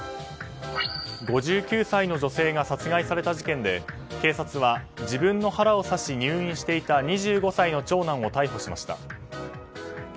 ５９歳の女性が殺害された事件で警察は、自分の腹を刺し入院していた２５歳の長男を逮捕しました。